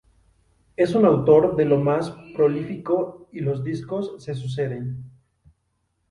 Es un autor de lo más prolífico y los discos se suceden.